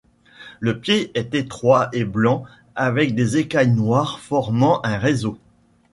Le pied est étroit et blanc avec des écailles noires formant un réseau.